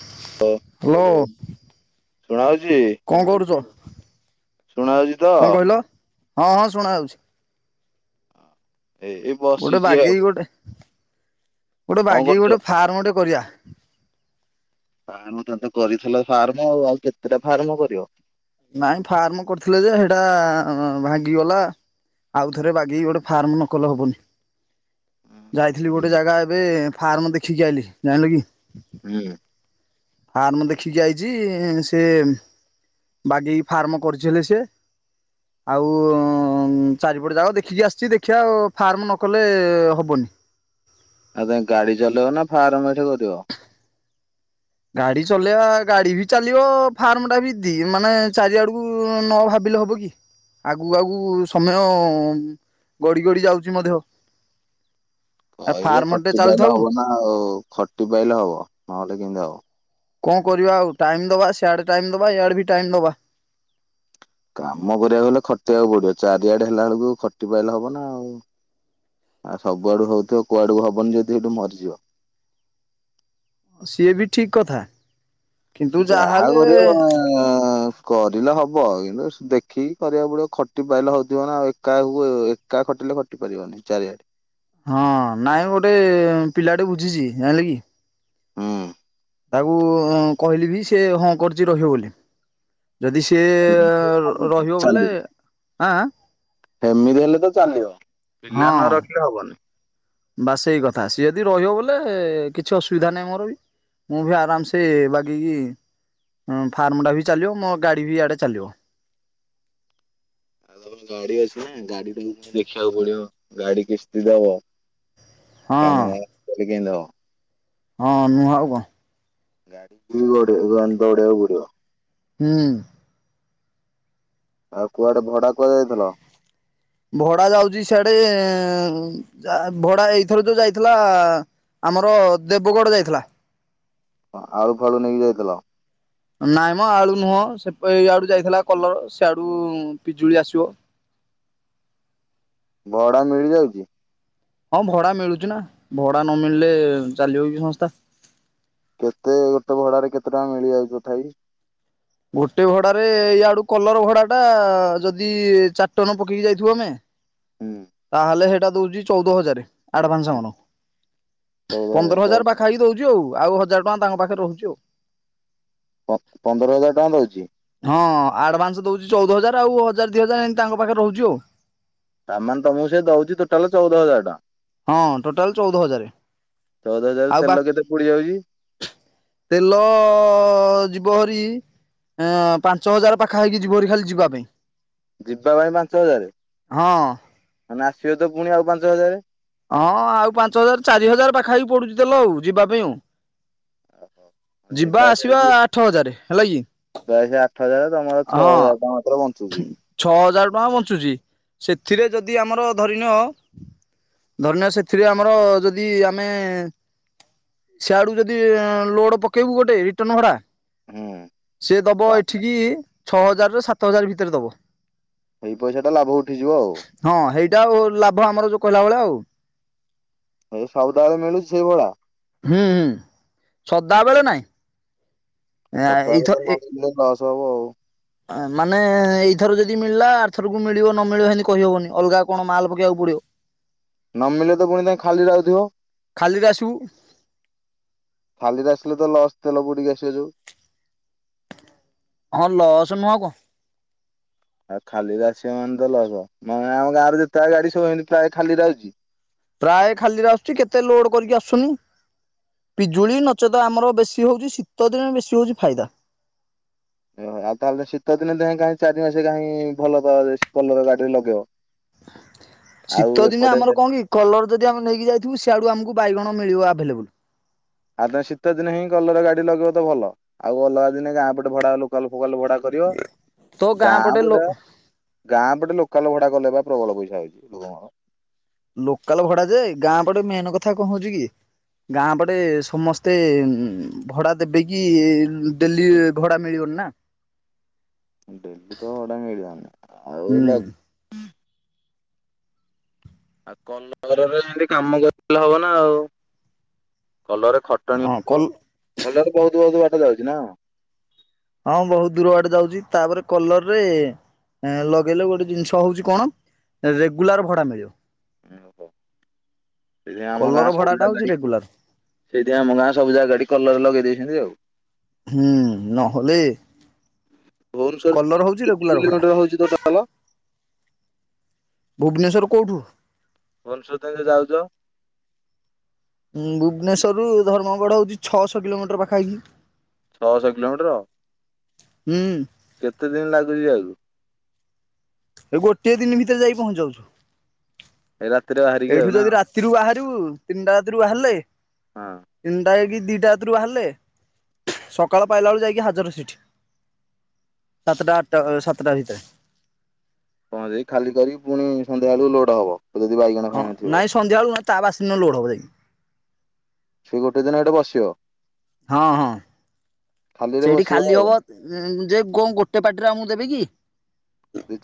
Hello. ଶୁଣା ହଉଛି? କଣ କରୁଛ ଶୁଣା ଯାଉଛି ତ? କଣ କହିଲ? ହଁ ହଁ ଶୁଣା ଯାଉଛି। ଏ ଏଇ ଗୋଟେ ବସିଛି ବାଗେଇ ଆଉ ଗୋଟେ। ଗୋଟେ ବାଗେଇ କଣ କରୁଛ? ଗୋଟେ ଫାର୍ମ ଗୋଟେ କରିବା। ଫାର୍ମ ତମେତ କରିଥିଲ ଫାର୍ମ ଆଉ ଆଉ କେତେଟା ଫାର୍ମ କରିବ? ନାଇଁ ଫାର୍ମ କରିଥିଲେ ଯେ ସେଇଟା ଭାଙ୍ଗିଗଲା। ଆଉଥରେ ବାଗେଇ ଗୋଟେ ଫାର୍ମ ନକଲେ ହବନି। ଯାଇଥିଲି ଗୋଟେ ଜାଗା ଏବେ ଫାର୍ମ ଦେଖିକି ଆଇିଲି ଜାଣିଲ କି। ହୁଁ। ଫାର୍ମ ଦେଖିକି ଯାଇଛି ସେ। ବାଗେଇକି ଫାର୍ମ କରଛି ହେଲେ ସେ। ଆଉ ଚାରିପଟେ ଯାକ ଦେଖିକି ଆସିଛି। ଦେଖିବା ଆଉ ଫାର୍ମ ନକଲେ ହବନି। ଆଉ ତମେ ଗାଡି ଚଲେଇବ ନା ଫାର୍ମ ଏଇଠି କରିବ? ଗାଡି ଚଲେଇବା ଗାଡି ବି ଚାଲିବ ଫାର୍ମ ଟା ବିି ମାନେ ଚାରିଆଡକୁ ନ ଭାବ। ହବ କି ଆଗୁ ଆଗକୁ ସମୟ ଗଡି ଗଡି ଯାଉଛି ମଧ୍ୟ। ଆ କହିଲେ ଫାର୍ମ ଟେ ଖଟି ପାଇଲେ ଚାଲିଥାଉ ହବ ନା ଆଉ ଖଟି ପାଇଲେ ହବ ନହେଲେ କେମତି ହବ। କଣ କରିବା ଆଉ ଟାଇମ ଦବା ସଆଡେ ଟାଇମ୍ ଦବା ଇଆଡେ ବି ଟାଇମ୍ ଦବା। କାମ କରିବାକୁ ହେଲେ ଖଟିବାକୁ ପଡିବ। ଚାରିଆଡେ ହେଲା ବେଳକୁ ଖଟି ପାଇଲେ ହବ ନା ଆଉ। ଆ ସବୁଆଡୁ ହଉଥିବ କୁଆଡୁ ହବନି ଯଦି ସେଇଠୁ ମରିଯିବ। ସିଏ ବି ଠିକ କଥା। କିନ୍ତୁ ଯାହା ଯାହାହେଲେ କରିବ। [unintelligible] କରିଲେ ହବ କିନ୍ତୁ ଦେଖିକି କରିବାକୁ ପଡିବ ଖଟି ପାଇଲେ ହଉଥିବ ନା ଆଉ ଏକାକୁ ଏକା ଖଟି। ଘଟି ପାରିବନି ଚାରିଆଡେ। ହଁ ନାଇଁଁ ଗୋଟେ ପିଲାଟେ ବୁଝିଛି ଜାଣିଲେ କି। ହଁ। ତାକୁ କହିଲି ବି ସେ ହଁ କରିଛି ରହିବ ବୋଲି। ଯଦି ସିଏ ରହିବ ବୋଲେ ଆଁ ଆଁ। ଏମିତି ହେଲେ ତ ଚାଲିବ ପିଲା ନ ରଖିଲେ ହବନି। ବାସ ସେଇ କଥା ସିଏ ଯଦି ରହିବ ବୋଲେ କିଛି ଅସୁବିଧା ନାହିଁ ମୋର ବି। ମୁଁ ବି ଆରାମ ସେ ବାଗିକି। ହଁ ଫାର୍ମ ଟା ବି ଚାଲିବ ମୋ ଗାଡି ବି ଡେ ଚାଲିବ ଆଉ ତମର ଗାଡି ଅଛି ନା ଗାଡି ଟାକୁ ପୁଣି ଦେଖିବାକୁ ପଡିବ ଗାଡି କିସ୍ତି ଦବ ହଁ କାମ କେ ହଁ ନୁଆ ଆଉ କଣ ଗଡ଼ି ଗନ୍ତଉଡ ପଡିବ ହୁଁ ଆଉ କୁଆଡେ ଭଡା କୁହା ଯାଇଥିଲ ଭଡା ଯାଉଛି ସଆଡେ ଭଡା ଏଇଥର ଯୋଉ ଯାଇଥିଲା ଆମର ଦେବଗଡ଼ ଯାଇଥିଲା ଆଳୁ ଫାଳୁ ନେଇକି ଯାଇଥିଲ ନାଇଁ ମ ଆଡୁ ନୁହଁ ସେ ଏଇଆଡୁ ଯାଇଥିଲା କଲର ସେଆଡୁ ପିଜୁଳି ଆସିବ ଭଡା ମିଳି ଯାଉଛି ହଁ ଭଡା ମିଳୁଛି ନା ଭଡା ନ ମିଳିଲେ ଚାଲିବ କି ସଂସ୍ଥା କେତେ ଗୋଟେ ଭଡାରେ କେତେ ଟଙ୍କା ମିଳିଯାଉଛିଠାଇ ଗୋଟେ ଭଡାରେ ଇ ଆଡୁ କଲର ଭଡା ଟା ଯଦି ଚାରିଟନ ପକେଇକି ଯାଇଥିବ ଆମେ ହୁଁ। ତାହେଲେ ସେଇଟା ଦଉଛି ଚଉଦ ହଜାର ଆଡଭାନ୍ସ ଆଣ ଚଉଦ ପନ୍ଦର ଚଉଦ ହଜାର ପାଖ ହେଇକି ଦଉଛିୁ ଆଉ ଆଉ ହଜାର ଟଙ୍କା ତାଙ୍କ ପାଖରେ ରହୁଛି ଆଉ ପନ୍ଦର ହଜାର ଟଙ୍କା ରହୁଛି ହଁ ଆଡଭାନ୍ସ ଦଉଛି ଚଉଦ ହଜାର ଆଉ ହଜାର ଦି ହଜାର ଏମତି ତାଙ୍କ ପାଖରେ ରହୁଛି ଆଉ ସାମାନ ତମକୁ ସେ ଦଉଛି ଟୋଟାଲ ଚଉଦ ହଜାର ଟଙ୍କା ହଁ ଟୋଟାଲ ଚଉଦ ହଜାର ଚଉଦ ହଜାର ଆଉ ବା ତେଲ କେତେ ପୋଡି ଯାଉଛି ତେଲ ଯ ଯିବରି ପାଞ୍ଚ ହଜାର ପାଖା ହେଇକି ଯିବହରି ଖାଲି ଯିବା ପାଇଁ ଯିବା ପାଇଁ ପାଞ୍ଚ ହଜାର ହଁ ମାନେ ଆସିବ ତ ପୁଣି ଆଉ ପାଞ୍ଚ ହଜାର ହଁ ଆଉ ପାଞ୍ଚ ହଜାର ଚାରି ହଜାର ପାଖା ହେଇି ପଡୁଛି ତେଲ ଆଉ ଯିବା ପାଇଁ ଆ ଯିବା ଆସିବା ଆଠ ହଜାର ହେଲା କି ସେ ଆଠ ହଜାର ତମର ଛଅ ହଁ ହଜାର ଟଙ୍କା ମାତ୍ର ବଞ୍ଚୁଛି ଛଅ ହଜାର ଟଙ୍କା ବଞ୍ଚୁଛି ସେଥିରେ ଯଦି ଆମର ଧରିନଅ ଧର୍ନ ସେଥିରେ ଆମର ଯଦି ଆମେ ସିଆଡକୁ ଯଦି ଲୋଡ ପକେଇବୁ ଗୋଟେ ରିଟର୍ଣ ଭଡା ହୁଁ ସି ତ ଦବ ଏଇଠିକି ଛଅ ହଜାରରୁ ସାତ ହଜାର ଭିତରେ ଦବ ସେଇ ପଇସା ଟା ଲାଭ ଉଠିଯିବ ଆଉ ଏଟ ଆଉ ଲାଭ ଆମର ଯୋଉ କହିଲା ଭେଳେଆ ଆଉ ଏଇ ସବୁଦାବେଳେ ମିଳୁଛି ସେଇ ଭଳିଆ ହୁଁ ହୁଁ ସଦା ବେଳେ ନାଇଁ ଆଉ ସପ୍ତାହ ଏଇଥ ତ ଏ ନେଇଲେ ଦଶ ହବ ଆଉ ମାନେ ଏଇଥର ଯଦି ମିଳିଲା ଆର୍ଥରକୁ ମିଳିବ ନ ମିଳିବ ସେମିତି କହିହବନି ଅଲଗା କଣ ମାଲ ପକେଇବାକୁ ପଡିବ ନମିଲେ ତ ପୁଣି ତା ଖାଲି ଯାଉଥିବ ଖାଲିରେ ଆସିବୁ। ଖାଲିରେ ଆସିଲେ ତ ଲସ ତେଲ ପଡିକି ଆସିବା ଯଉ। ହଁ ଲସ ନୁହଁ ଆଉ କଣ? ଆଉ ଖାଲିରେ ଆସିବା ମାନେ ତ ଲସ ମାନେ ଆମ ଗାଁରେ ଯେତେଟା ଗାଡି ସବୁତ ପ୍ରାୟ ଖାଲିରେ ଆଉଛି। ପ୍ରାୟ ଖାଲିରେ ଆସୁଛି କେତେ ଲୋଡ କରିକି ଆସୁଛନ୍ତି କି? ପିଜୁଳି ନଚେତ ଆମର ବେଶୀ ହଉଛି ଶୀତ ଦିନ ବେଶୀ ହଉଛି ଫାଇଦା। ଓ ଆଉ ତାହେଲେ ଶୀତ ଦିନେ ଦେହଁ କାହିଁ ଚାରି ମାସେ କାହିଁ ଭଲ ତ କଲର ଗାଡିରେ ଲଗେଇବ? ଆଉ ଶୀତ ଦିନେ ଏପଟେ ଆମର କଣ କି କଲର ଯଦି ଆମେ ନେଇକି ଯାଇଥିବୁ ସିଆଡୁ ଆମକୁ ବାଇଗଣ ମିଳିବ ଆଭେଲେବୁଲ। ଆଉ ତ ଶୀତ ଦିନ ହିଁ କଲର ଗାଡି ଲଗେଇବ ତ ଭଲ ଆଉ ଅଲଗା ଦିନେ ଗାଁ ପଟେ ଭଡା ଲୋକାଲ ଫୋକଲ କରିବ ଗାଁ ପଟେ ଗାଁ ପଟେ ଲୋକ ସକାଳ ଭଡା କଲେ ବା ପ୍ରବଳ ପଇସା ହେଉଛି ଲୋକଙ୍କର। ଲୋକାଲ ଭଡା ଯେ ଗାଁ ପଟେ ମେନ୍ କଥା କହୁଛି କି? ଗାଁ ପଟେ ସମସ୍ତେ ଭଡା ଦେବେ କିି ଡେଲି ଭଡା ମିଳିବନି ନା? [inaudible] ଡେଲି ତ ଭଡା ମିଳିବନି ଆଉ ହୁଁ ଆଉ କଲ ଘରରେ ଯେମିତି କାମ କରିଲେ ହବ ନା ଆଉ? କଲର ଖଟଣି ହଁ କଲ କଲର ବହୁତ ବହୁତ ବାଟ ଯାଉଛି ନା କଣ? ହଁ ବହୁତ ଦୂର ଆଡେ ଯାଉଛି ତାପରେ କଲର ରେ ଏ ଲଗେଇଲେ ଗୋଟେ ଜିନିଷ ହଉଛି କଣ ରେଗୁଲାର ଭଡା ମିଳିବ। ସେଇଥିପାଇଁ ଆମ ଗାଁ କଲର ସବୁ ଭଡା ଟା ଜାଗା ହଉଛି ଗାଡି ରେଗୁଲାର। ସେଇଥିପାଇଁ ଆମ ଗାଁ ସବୁ ଜାଗାଠି କଲର ଲଗେଇ ଦେଇଛନ୍ତି ଆଉ। ହୁଁ ନହେଲେ ଭୁବନେଶ୍ୱର କଲର ହଉଛି କେତେ ରେଗୁଲାର ଭଡ଼ା। କିଲୋମିଟର ହଉଛି ତୋ ଟାଲ ଭୁବନେଶ୍ଵର କୋଉଠୁ? ଭୁବନେଶ୍ୱର ତାହେଲେ ଯାଉଛ। ଉଁ ଭୁବନେଶ୍ୱର ରୁ ଧର୍ମଗଡ଼ ହଉଛି ଛଅଶହ କିଲୋମିଟର ପାଖାପାଖି। ଛଅ ଶହ କିଲୋମିଟର? ହୁଁ। କେତେ ଦିନ ଲାଗୁଛି ଯିବାକୁ? ଏ ଗୋଟେ ଦିନ ଭିତରେ ଯାଇ ପହଞ୍ଚିଯାଉଛୁ। ଏଇ ରାତିରେ ବାହାରିକି ଆଉ ଏଇଠୁ ନା ଯଦି ରାତିରୁ ବାହାରିବୁ ତିନିଟା ରାତିରୁ ବାହାରିଲେ ହଁ। ତିନିଟା ହେଇକି ଦିଟା ରାତିରୁ ବାହାରିଲେ ସକାଳ ପାଇଲା ବେଳୁ ଯାଇକି ହାଜର ସେଠି। ସାତଟା ଆଠଟା ସାତଟା ଭିତରେ। କଣ ଯାଇ ଖାଲି କରି ପୁଣି ସନ୍ଧ୍ୟା ବେଳକୁ ଲୋଡ ହବ। ଯଦି ବାଇଗଣ ହଁ ଫାଇଗଣ ଥିବ। ନାଇଁ ସନ୍ଧ୍ୟା ବେଳୁ ନଁ ତା ବାସ ଲୋଡ ହବ ଯାଇକି। ସେ ଗୋଟେ ଦିନ ଆଡ଼କୁ ଆସିବ। ହଁ ହଁ। ସେଇଠି ବସିବ ଖାଲି ଆଉ ହବ ଯେ କ ଗୋଟେ ପାର୍ଟିରେ ଆମକୁ ଦେବେ କି?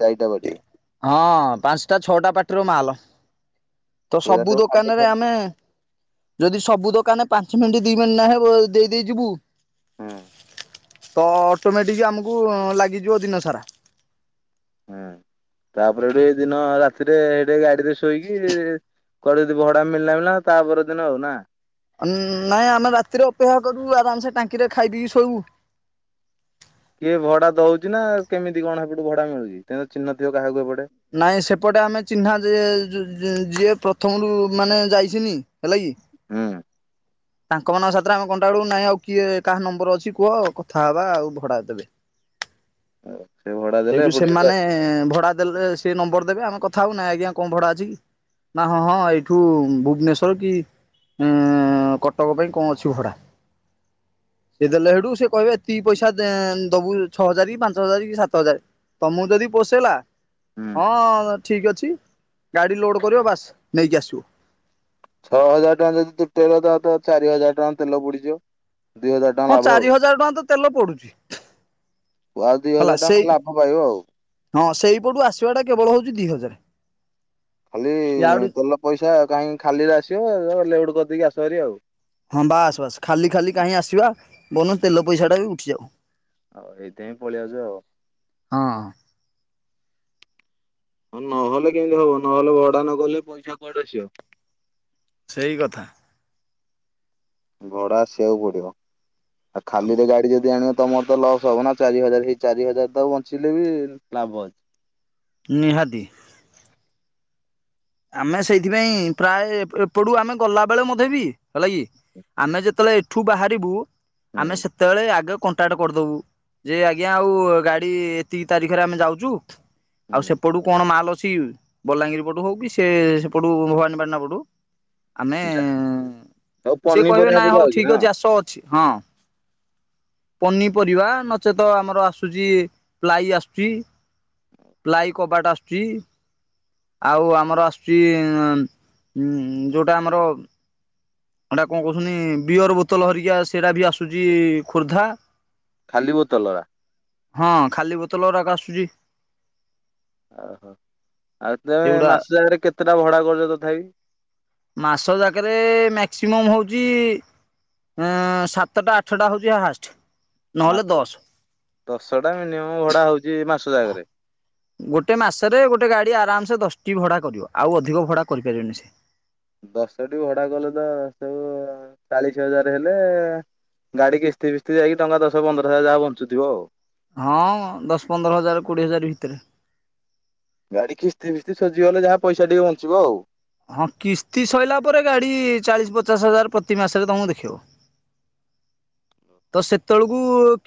ଚାରିଟା ପାଟି। ହଁ ପାଞ୍ଚଟା ଛଅଟା ପାଟିରୁ ମାଲ। ତ ସେରା ସବୁ ଖାଲି ଦୋକାନରେ ଖାଲି ଆମେ ଯଦି ସବୁ ଦୋକାନ ପାଞ୍ଚ ମିନିଟ୍ ଦି ମିନିଟ୍ ନାଖେ ଦେଇ ଦେଇ ଯିବୁ ହୁଁ ତ ଅଟୋମେଟିକ ଆମକୁ ଲାଗିଯିବ ଦିନ ସାରା। ହୁଁ ତାପରେଠୁ ଏଇ ଦିନ ରାତିରେ ସେଠି ଗାଡିରେ ଶୋଇକି କୁଆଡେ ଯଦି ଭଡା ମିଳିଲା ମିିଳିଲ ତା ପର ଦିନ ହଉ ନା ନାଇଁ ଆମେ ରାତିରେ ଅପେକ୍ଷା କରୁ ଆରାମ ସେ ଟାଙ୍କିରେ ଖାଇଦି ଶୋଇବୁ। କିଏ ଭଡା ଦଉଛି ନା କେମିତି କଣ ସେପଟୁ ଭଡା ମିଳୁଛି ଚିହ୍ନ ଥିବ କାହାକୁ ଏପଟେ। ନାଇଁ ସେପଟେ ଆମେ ଚିହ୍ନା ଯେ ଯିଏ ପ୍ରଥମରୁ ମାନେ ଯାଇସିନି ହେଲା କି। ହଁ। ତାଙ୍କ ମାନଙ୍କ ସାଥିରେ ଆମେ କଣ୍ଟକ୍ଟ ବଳୁ ନାଇଁ ଆଉ କିଏ କାହା ନମ୍ବର ଅଛି କୁହ କଥା ହବା ଆଉ ଭଡା ଦେବେ। ସେ ଭଡା ଦେଲେ ସେଇଠୁ ଏପଟେ ସେମାନେ ଭଡା ଦେଲେ। ସେ ନମ୍ବର ଦେବେ ଆମ କଥା ହବୁ। ନାଇଁ ଆଜ୍ଞା କଣ ଭଡା ଅଛି କି? ନା ହଁ ହଁ ଏଇଠୁ ଭୁବନେଶ୍ଵର କି କଟକ ପାଇଁ କଣ ଅଛି ଭଡ଼ା? ସେ ଦେଲେ ହେଡୁ ସେ କହିବେ ଏତିକି ପଇସା ଦେ ଦବୁ ଛଅ ହଜାର କି ପାଞ୍ଚ ହଜାର କି ସାତ ହଜାର। ତମକୁ ଯଦି ପୋଷେଇଲା ହୁଁ। ହଁ ଠିକ ଅଛି ଗାଡି ଲୋଡ କରିବ ବାସ୍ ନେଇକି ଆସିବ। ଛଅ ହଜାର ଟଙ୍କା ଯଦି ତୁଟେଇଲା ତା ଚାରି ହଜାର ଟଙ୍କା ତେଲ ପଡିଯିବ। ହଁ ଚାରି ହଜାର ଟଙ୍କା ତ ତେଲ ପଡୁଚି। ଆଉ ଦିଇ ହଜାର ଟଙ୍କା ଲାଭ ପାଇବ ଆଉ। ହଁ ସେଇପଟୁ ଆସିବାଟା କେବଳ ହଉଛି ଦି ହଜାର। ଖାଲି ଇଆଡୁ ତେଲ ପଇସା କାହିଁକି ଖାଲିରେ ଆସିବେ ଲୋଡ୍ କରିଦେଇକି ଆସ ଭାରି ଆଉ। ହଁ ବାସ୍ ବାସ୍ ଖାଲି ଖାଲି କାହିଁ ଆସିବା ବରଂ ତେଲ ପଇସା ଟା ବି ଉଠିଯାଉ। ହଉ ଏଇଥିପାଇଁ ପଳେଇ ଆସ ଆଉ। ହଁ ନହେଲେ କେମିତି ହବ ନହେଲେ ଭଡା ନ କଲେ ପଇସା କୁଆଡୁ ଆସିବ। ସେଇ କଥା। ଭଡା ଆସିବାକୁ ପଡିବ। ଆଉ ଖାଲିରେ ଗାଡି ଯଦି ଆଣିବା ତମର ତ ଲସ୍ ହବ ନା ଚାରି ହଜାର ହେଇ ଚାରି ହଜାର ତ ବଞ୍ଚିଲେ ବି ଲାଭ ଅଛି। ନିହାତି। ଆମେ ସେଇଥିପାଇଁ ପ୍ରାୟ ଏପଟୁ ଆମେ ଗଲା ବେଳେ ମଧେ ବି ହେଲା କି ଆମେ ଯେତେବେଳେ ଏଠୁ ବାହାରିବୁ ହୁଁ ଆମେ ସେତେବେଳେ ଆଗ କଣ୍ଟାକ୍ଟ କରିଦବୁ। ଯେ ଆଜ୍ଞା ଆଉ ଗାଡି ଏତିକି ତାରିଖରେ ଆମେ ଯାଉଚୁ ଆଉ ହୁଁ ସେପଟୁ କଣ ମାଲ ଅଛି। ବଲାଙ୍ଗୀର ପଟୁ ହଉ କି ସେ ସେପଟୁ ଭବାନୀପାଟନା ପଟୁ ଆମେ ଯାହା ଆଉ ସିଏ କହିବେ ପନିପରିବା ନାଇଁ ପଡିଆ ହଉ ହଉଛି ଠିକ ନା ଅଛି ଆସ ଅଛି ହଁ। ପନିପରିବା ନଚେତ ଆମର ଆସୁଚି ପ୍ଲାଇ ଆସୁଚି ପ୍ଲାଇ କବାଟ ଆସୁଚି। ଆଉ ଆମର ଆ ଯି ଯୋଉଟା ଆମର ଏଟା କଣ କହୁଛନ୍ତି ବିୟର ବୋତଲ ହେରିକା ସେଇଟା ବି ଆସୁଚି ଖୋର୍ଦ୍ଧା। ଖାଲି ବୋତଲ ରା। ହଁ ଖାଲି ବୋତଲ ଗୁରାକ ଆସୁଚି। ଓହୋ ଆଉ ତମେ ସେଗୁଡା ମାସ ଜାଗାରେ କେତେଟା ଭଡା କରୁଚ ତଥାପି? ମାସ ଜାକରେ ମାକ୍ସିମମ୍ ହଉଛି ସାତଟା ଆଠଟା ହଉଚି ହାଏଷ୍ଟ। ମାତ୍ର ଦଶଟା ମିନିମମ୍ ଭଡା ହଉଛି ମାସ ଟା ଜାକରେ। ଗୋଟେ ମାସରେ ଗୋଟେ ଗାଡି ଆରାମସେ ଦଶଟି ଭଡା କରିବ। ଆଉ ଅଧିକ ଭଡା କରିପାରିବନି ସେ। ଦଶଟି ଭଡା କଲେ ତ ମାସ କୁ ଚାଳିଶ ହଜାର ହେଲେ ଗାଡି କିସ୍ତି ଫିସ୍ତି ଯାଇକି ଟଙ୍କା ଦଶ ପନ୍ଦର ହଜାର ଯାହା ବଞ୍ଚୁଥିବ ଆଉ। ହଁ ଦଶ ପନ୍ଦର ହଜାର କୋଡିଏ ହଜାର ଭିତରେ। ଗାଡି କିସ୍ତି ଫିସ୍ତି ସୁଜିଗଲେ ଯାହା ପଇସା ଟିକେ ବଞ୍ଚିବ ଆଉ। ହଁ କିସ୍ତି ସଇଲା ପରେ ଗାଡି ଚାଳିଶ ପଚାଶ ହଜାର ପ୍ରତି ମାସରେ ତମକୁ ଦେଖିବ। [inaudible] ତ ସେତେବେଳକୁ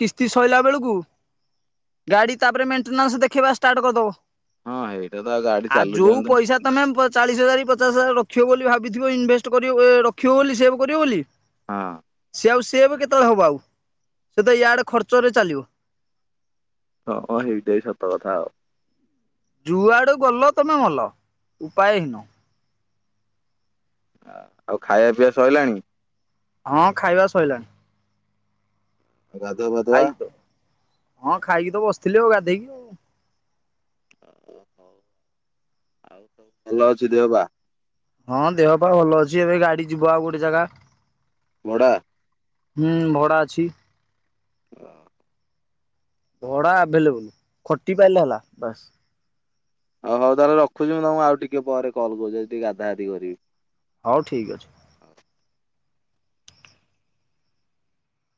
କିସ୍ତି ସଇଲା ବେଳକୁ ଗାଡି ତାପରେ ମେଣ୍ଟେନାନ୍ସ ଦେଖେଇବା ଷ୍ଟାର୍ଟ କରିଦବ। ହଁ ହେଇଟା ତ ଗାଡି ଆଉ ଚାଲୁଛି ଆମେ ଯୋଉ ତ ପଇସା ତମେ ଚାଳିଶ ହଜାର କି ପଚାଶ ହଜାର ରଖ ରଖିବ ବୋଲି ଭାବିଥିବ ଇନଭେଷ୍ଟ କରିବ ରଖିବ ବୋଲି ସେଭ୍ କରିବ ବୋଲି ହଁ। ସିଏ ଆଉ ସିଏ ବି କେତେବେଳେ ହବ ଆଉ। ସେ ତ ଇଆଡେ ଖର୍ଚ୍ଚ ରେ ଚାଲିବ। ହଁ ହଁ ହେଇଟା ବି ସତ କଥା ଆଉ। ଯୁଆଡୁ ଗଲ ତମେ ମଲ ଉପାୟ ହିନ। ଆ ଆଉ ଖାଇଆ ପିଇଆ ସଇଲାଣି। ହଁ ଖାଇବା ସଇଲାଣି। ଗାଧୁଆ ପାଧୁଆ? ଖାଇକି ତ ହଁ ଖାଇକି ତ ବସଥିଲି ଆଉ ଗାଧେଇବି ଆଉ। ଓ ହଉ ଆଉ ସବୁ ଭଲ ଅଛି ଦେହ ପା? ହଁ ଦେହ ପା ଭଲ ଅଛି, ଏବେ ଗାଡି ଯିବ ଆଉ ଗୋଟେ ଜାଗା। ଭଡା? ହୁଁ ଭଡା ଅଛି ଭଡା ଆଭେଲେବୁଲ। ଖଟି ପାଇଲେ ହେଲା ବାସ୍। ହଉ ହଉ ତାହେଲେ ରଖୁଚି ମୁଁ ତମକୁ ଆଉ ଟିକେ ପରେ କଲ୍ କରୁଚି, ଯାଉଚି ଟିକେ ଗାଧା ଗାଧି କରିବି। ହଉ ଠିକ ଅଛି। ହଉ।